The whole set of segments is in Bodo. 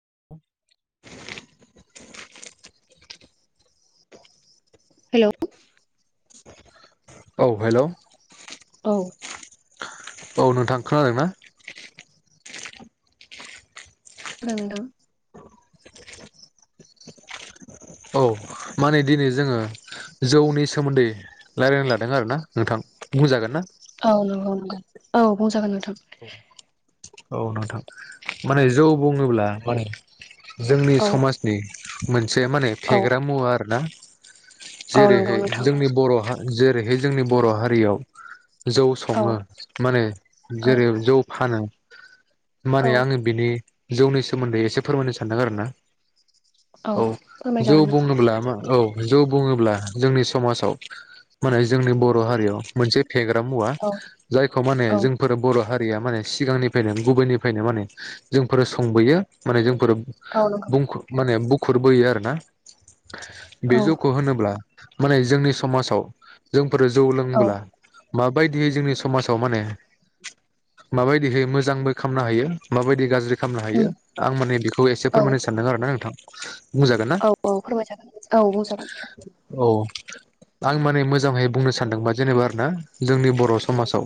[inaudible] हेलौ औ हेलौ औ। औ नोंथां खोनादों ना? [unintelligible] औ माने दिनै जोङो जौनि सोमोन्दै रायलायनो लादों आरोना नोंथां बुंजागोन ना? औ औ बुं जागोन। [unintelligible] औ नोंथां माने जौ बुङोब्ला माने जोंनि औ समाजनि मोन एसे माने औ फेग्रा मुवा आरो ना। औ नंगौ जेरैहाय नोंथां जोंनि बर' हारि जेरैहाय जोंनि बर' हारियाव जौ औ सङो माने। औ जेरै जौ फानो। औ माने आङो बिनि जौनि सोमोन्दै एसे फोरमायनो सानदों आरो ना। औ जौ फोरमायजागोन नोंथां बुोब्ला मा औ। जौ बुङोब्ला जोंनि समाजाव माने जोंनि बर' हारियाव मोनसे फेग्रा मुवा औ जायखौ माने औ जों बर' हारिया माने सिगांनिफ्रायनो गुबैनिफ्रायनो माने जोंफोर संबोयो माने जों फोरो औ नंगौ बुंखो माने बु। खुरबोयो आरो ना। बे औ जौखौ होनोब्ला माने जोंनि समाजाव जों फोरो जौ औ लोंब्ला माबायदियै जोंनि समाजाव माने माबायदिहाय मोजांबो खालामनो हायो माबायदि गाज्रि खालामनो हायो उम आं माने बेखौ एसे औ फोरमायनो सानदों आरो ना नोंथां [unintelligible] औ औ फोरमाय जागोन औ बुंजागोन आं माने मोजांहाय बुंनो सान्दोंबा जेनेबा आरो ना जोंनि बर' समाजाव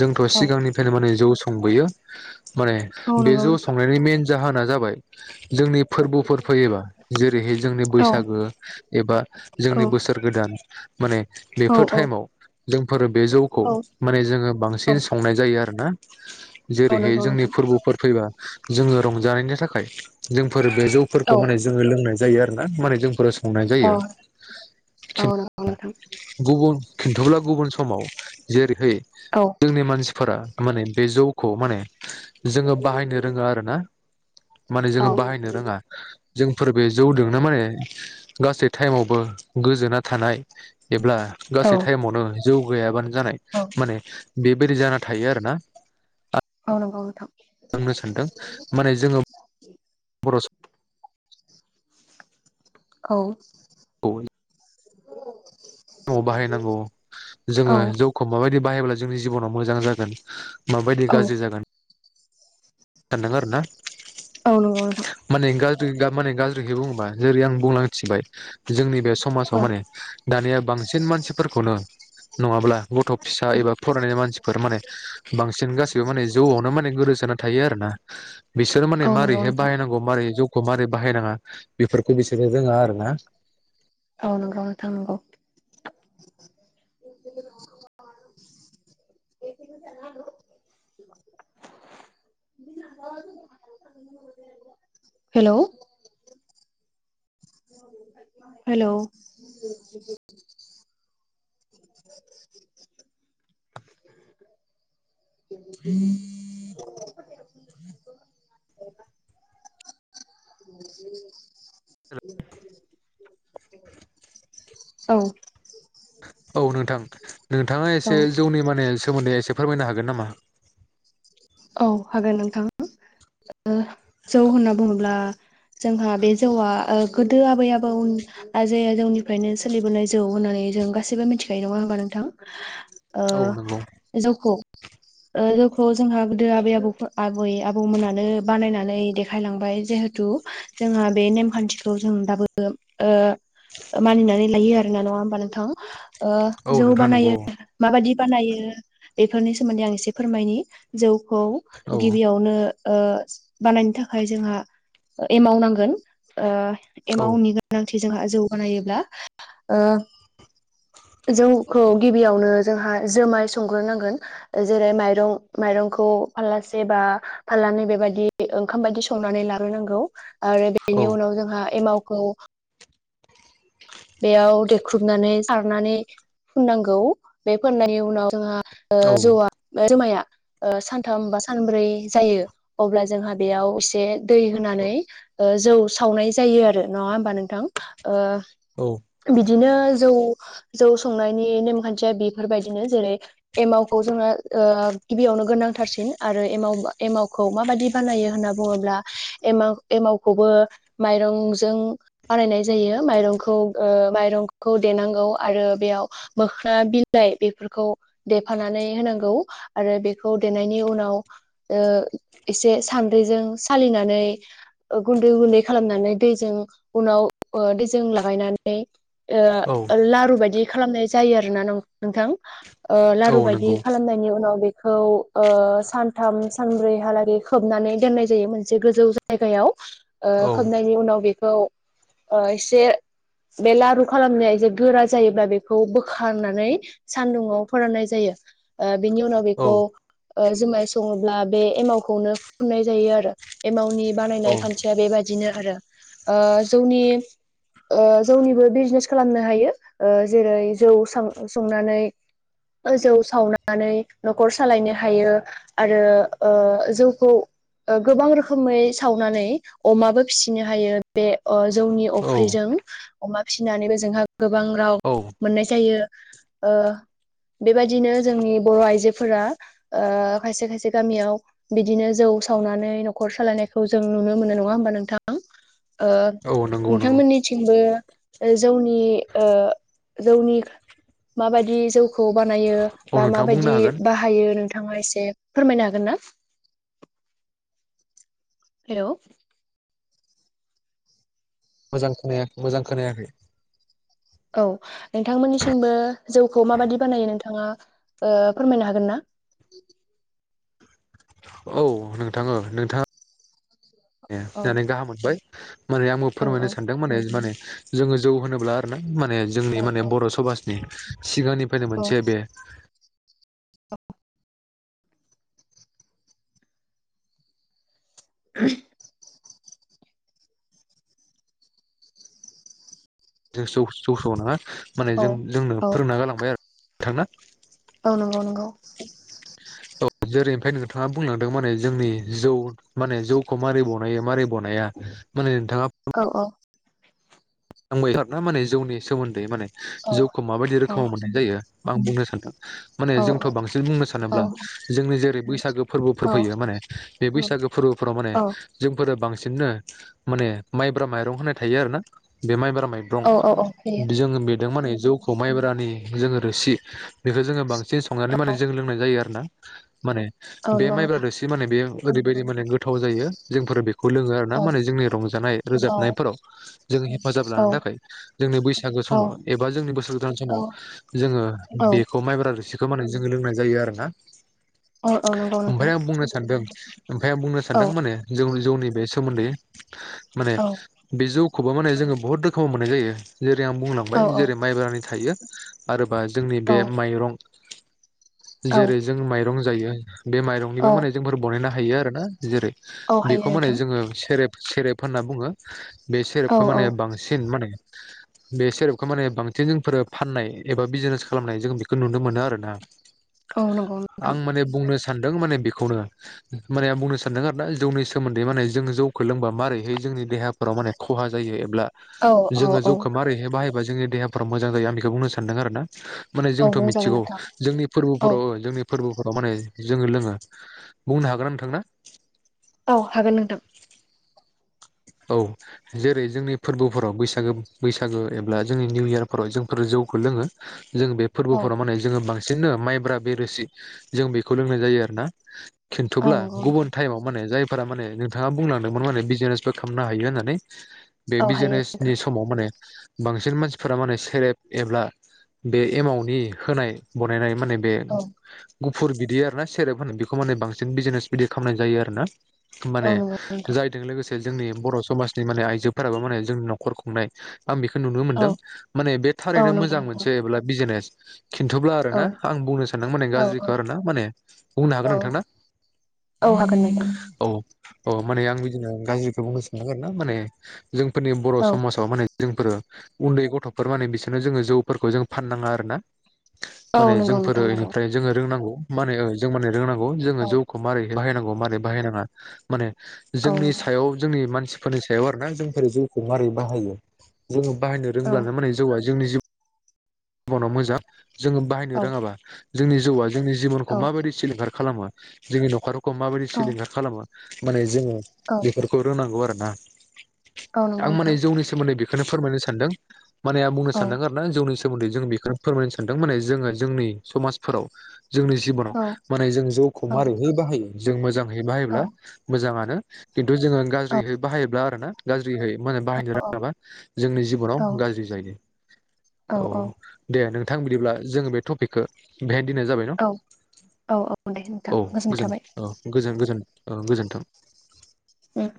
जोंथ' औ सिगांनिफ्रायनो माने जौ संबोयो माने औ बे नंगौ जौ नोंथां संनायनि मेेन जाहोना जाबाय जोंनि फोरबोफोर फैयोबा जेरैहाय जोंनि औ बैसागो एबा औ जोंनि बोसोर गोदान माने औ बेफोर टाइमाव जोंफोरो बे जौखौ औ माने जोङो औ बांसिन फिन संनाय जायो आरो नोंथां औ जेरैहाय नंगौ जोंनि नोंथां फोरबोफोर फैबा जोङो रंजानायनि थाखाय जों फोर बे जौफोरखौ औ माने जोङो लोंनाय जायो आरो ना माने जोंफोर संनाय औ जायो औ नंगौ नोंथां गुबुन खिन्थोब्ला गुबुन समाव जेरैहै औ जोंनि मानसि फोरा माने बे जौखौ माने जोङो बाहायनो रोङो आरो ना माने जोङो बाहायनो रोङा जोंफोर बे जौदोंनो माने गासै टाइमावबो गोजोना थानाय एब्ला गासै औ टाइमावनो जौ गैयाबानो जानाय औ माने बेबायदि जाना थायो आरो ना औ नंगौ नोंथां बुंनो सानदों माने जोङो बर औ समखौ [inaudible] [unintelligible] बाहायनांगौ जोङो औ जौखौ माबायदि बाहायोब्ला जोंनि जिब'नाव मोजां जागोन माबायदि गाज्रि औ जागोन दानना गारोना औ नंगौ नोंथां माने गाज्रि गाब माने गाज्रिखौ बुङोब्ला जेरै आं बुंलांथिबाय जोंनि बे समाजाव औ माने दानिया बांसिन मानसिफोरखौनो नङाब्ला गथ' फिसा एबा फरायनाय मानसिफोर माने बांसिन गासिबो माने जौआवनो माने गोदोसोना थायो आरो ना बिसोर माने औ नंगौ मारैहाय नोंथां बाहायनांगौ मारै जौ खौ मारै बाहायनाङा बेफोर बिसोरजों दोङो आरो ना। औ नंगौ नोंथां नंगौ हेलौ हेलौ औ औ नोंथां नोंथाङा औ एसे जौनि माने सोमोन्दै एसे फोरमायनो हागोन नामा औ हागोन नोंथां ओ जौ होनना बुङोब्ला जोंहा बे जौआ ओ गोदो आबै आबौ आजै आजौनिफ्रायनो सोलिबोनाय जौ होननानै जों गासैबो मिथिखायो नङा होमबा नोंथां ओ औ नंगौ जौखौ ओ जौखौ जोंहा गोदो आबै आबौ फो आबै आबौमोनानो बानायनानै देखायलांबाय जेहेथु जोंहा बे नेमखान्थिखौ जों दाबो ओ मानिनानै लायो आरोना नङा होमबा नोंथां ओ औ जौ नोंथां नंगौ बानायो माबायदि बानायो बेफोरनि सोमोन्दै आं एसे फोरमायनि जौ खौ औ गिबियावनो ओ बानायनो थाखाय जोंहा एमाव नांगोन ओ औ एमाव नि थि जोंहा जौ बानायोब्ला ओ जौखौ गिबियावनो जोंहा जोमाय संग्रो नांगोन जेरै माइरं मायरंखौ फाललासे बा फाललानै बेबायदि ओंखाम बायदि संनानै लाग्रोनांगौ आरो औ बेनि उनाव जोंहा एमाव खौ बेयाव देख्रुबनानै सारनानै फुननांगौ बे फोननायनि उनाव जोंहा ओ जौआ जुमाया ओ सानथाम बा सानब्रै जायो अब्ला जोंहा बेयाव एसे दै होनानै ओ जौ सावनाय जायो आरो नङा होमबा नोंथां ओ औ बिदिनो जौ जौ संनायनि नेमखान्थिया बेफोरबायदिनो जेरै एमावखौ जोङो ओ गिबियावनो गोनांथारसिन आरो एमाव एमावखौ माबादि बानायो होनना बुङोब्ला एमाव एमावखौबो माइरंजों बानायनाय जायो माइरंखौ खौ ओ माइरंखौ देनांगौ आरो बेयाव मोख्ना बिलाइ बेफोरखौ देफानानै होनांगौ आरो बेखौ देनायनि उनाव ओ एसे सान्द्रिजों सालिनानै ओ गुन्दै गुन्दै खालामनानै दैजों उनाव दैजों ला गायनानै औ ओ लारु बादि खालामनाय जायो आरोना नोंथां । ओ औ लारु बायदि नंगौ खालामनायनि उनाव बे खौ ओ सानथाम सानब्रैहालागै खोबनानै दोननाय जायो मोनसे गोजौ जायगायाव । ओ औ खोबनायनि उनाव बे औ ओ एसे बे लारु खालामनाया जे गोरा जायोब्ला बेखौ बोखारनानै सानदुङाव फोराननाय जायो ओ बिनि उनाव औ बेखौ ओ जुमाय सङोब्ला बे एमावखौनो फुुननाय जायो आरो एमावनि औ बानायनाय खान्थिया बेबायदिनो आरो। ओ जौनि ओ जौनिबो बिजनेस खालामनो हायो ओ जेरै जौ साव संनानै जौ सावनानै नखर सालायनो हायो आरो ओ जौखौ गोबां रोखोमै सावनानै अमाबो फिसिनो हायो बे ओ जौनि फ्रिजों औ अमा फिसिनानैबो जोंहा गोबां राव औ मोननाय जायो। ओ बेबायदिनो जोंनि बर' आइजोफोरा ओ खायसे खायसे गामियाव बिदिनो जौ सावनानै न'खर सालायनायखौ जों नुनो मोनो नङा होमबा नोंथां ओ? औ नंगौ नंगौ बिथांमोननि थिंबो जौनि ओ जौनि माबायदि जौखौ बानायो औ बा नोंथाङा बुंनो माबायदि हागोन बाहायो नोंथां नोंथाङा एसे फोरमायनो हागोन ना? हेलौ। मोजां खोनायै मोजां खोनायाखै। औ नोंथांमोननिसिमबो जौखौ माबादि बानायो नोंथाङा ओ फोरमायनो हागोन ना? औ नोंथां ओ औ नोंथां गाहाम मोनबाय। माने आंबो औ औ फोरमायनो सानदों माने माने जोङो जौ होनोब्ला आरोना। माने जोंनि औ माने बर' समाजनि सिगांनिफ्रायनो मोनसे बे ओ। [inaudible] [inaudible] माने औ जों जोंनो औ फोरोंना गालांबाय आ थांना‌ औ नंगौ नंगौ जेरैनिफ्राय नोंथाङा बुंलांदों माने जोंनि जौ माने जौखौ मारै बनायो माबारै बनाया माने औ - औ आंबो [inaudible] जौनि सोमोन्दै माने औ जौखौ माबायदि औ रोखोमाव मोननाय जायो आं बुंनो सानदों माने औ जोंथ बांसिन बुंनो सानोब्ला औ जोंनि जेरै बैसागो फोरबोफोर औ फैयो माने बे बैसाग फोरबोफोराव माने औ जोंफोरो बांसिन बिदिनो माने माइब्रा माइरं होनाय थायो आरो ना बे मायब्रा माइब्रं होयो औ नंगौ जोङो बेदों माने जौखौ माइब्रानि जोङो रोसि बेखौ जोङो बांस एसे संनानै माने जों लोंनाय जायो आरो ना माने बे माइब्रा नोंथां रोसि माने बे ओरैबायदि माने गोथाव जायो जोंफोर बेख खौ लोङो आरो ना औ माने जोंनि रंजानाय औ रोजाबनायफोराव हेफाजाब लानो औ थाखाय जोंनि बैसागो औ समाव एबा जोंनि बोसोर गोदान औ समाव जोङो औ बेखौ माइब्रा रोसिखो खौ माने जोङो लोंनाय जायो आरो ना। औ नंगौ ओमफ्राय नोंथां आं बुंनो सानदों ओमफ्राय आ बुंनो औ सानदों माने जौ जौनि बे सोमोन्दै माने औ बि जौ खौबो माने जोङो बुहुत रोखोमाव मोननाय जायो। जेरै आं बुंलांबाय औ औ जेरै माइब्रानि थायो आरो बा जोंनि बे औ माइरं [inaudible] औ जेरै जों माइरं जायो। बे माइरंनिबो औ माने जोंफोर बनायना हायो आरो ना जेरै औ हायो बेखौ माने नोंथां जोङो सेरेब सेरेब होनना बुङो। बे सेेरब औ खौ औ माने बांसिन माने बे सेरेबखौ माने बांसिन जोंफोरो फाननाय एबा बिजिनेस खालामनाय जों बेखौ नुनो मोनो आरोना। औ नंगौ आं नोंथां। माने बुंनो सानदों माने बेखौनो माने आं बुंनो सानदों आरोना जौनि सोमोन्दै माने जों जौखौ लोंबा मारैहाय जोंनि देहाफोराव माने खहा जायो एबा औ औ जोङो औ जौखौ मारैहाय बाहायबा जोंनि देहाफोरा मोजां जायो आं बेखौ बुंनो सानदों आरो ना। माने औ जोंथ' बुंजागोन मिथिगौ नोंथां जोंनि औ फोरबोफोराव जोंनि। फोरबोफोराव माने जोङो लोङो बुंनो हागोन नोंथांना। औ हागोन नोंथां। औ जेरै जोंनि फोरबोफोराव बैसागो बैसागो एब्ला जोंनि निउ इयारफोराव जोंफोर जौखौ लोङो। जों बे औ फोरबोराव माने जोङो बां। सिननो माइब्रा बेरोसि जों बेखौ लोंनाय जायो आरो ना। औ खिन्थुब्ला नंगौ नोंथां गुबुन थाइमाव माने जाय। माने नोंथाङा बुंलांदोंमोन माने बिजेने। बो खालामनो हायो होननानै। बे औ हायो बिजेनेसनि नोंथां समाव माने बांसिन मान। फोरा माने सेरेब एब्ला बे एमाउनि होनाय बनायनाय। माने बे औ गु। फुर बिदि आरो ना सेरेब होनो बेखौ माने बांसिन बिजिनेस बिदि खालामनाय जायो आरो ना। माने औ नंगौ नोंथां जायदों लोगोसे-' जोंनि बर' समाजनि माने आइजोफोराबो माने जोंनि न'खर खुंनाय। आं बेखौ नुनो औ मोन्दों माने बे औ थारैनो नंगौ मोजां नोंथां मोनसे एब्ला बिजिनेस। खिन्थोब्ला आरो ना औ आं बुंनो सानदों माने औ औ गाज्रिखौ आरो ना माने बुंनो हागोन औ नोंथां ना औ हागोन नोंथां औ। अ माने आं बिदिनो। गाज्रिखौ बुंनो सानदों आरो ना माने। जोंफोरनि बर' औ समाजाव माने जोंफोरो। उन्दै गथ'फोर माने बिसोरनो जोङो जौफोरखौ जों फान नाङा आरो ना। औ माने नंगौ जोंफोरो नोंथां नंगौ बेनिफ्राय जोङो रोंनांगौ। मानेओ जों माने रोंनांगौ। औ जोङो जौखौ मारै बाहायनांगौ मारै बाहायनाङा माने औ। जोंनि सायाव जोंनि मानसिफोरनि सायाव आरोना जोंफोर जौखौ मारै बाहायो जोङो बाहायनो औ रोंब्ला माने जौआ जोंनि जिउ। बनाव मोजां जोङो बाहायनो औ रोङाबा जोंनि जौआ जोंनि जिबनखौ औ माबायदि सिलिंखार खालामो। जोंनि नखार खौ माबायदि औ सिलिंखार खालामो? माने जोङो औ बेफोरखौ रोंनांगौ आरो। ना औ नंगौ आं माने नोंथां जौनि सोमोन्दै बे बेखौनो फोरमायनो सानदों। माने आ बुंनो औ सानदों आरो ना जौनि सोमोन्दै जों बेखौनो फोरमायनो सानदों माने जोङो जोंनि समाजफोराव जोंनि जिबनाव औ माने जों जौखौ औ मारैहै बाहायो जों मोजाङै औ बाहायोब्ला मोजाङानो। [inaudible] खिन्थु जोङो औ गाज्रियै बाहायोब्ला आरो ना [unintelligible] मा होनो बाहायनो औ रोङाबा जोंनि जिबनाव औ गाज्रि जायो। औ बे दे नोंथां बिदिब्ला जों बे टपिक खौ बेहाय नो दोननाय जाबाय न औ औ औ दे नोंथां औ गोजोननाय गोजोन थाबाय औ गोजोन गोजोन ओ गोजोन्थों। ओम।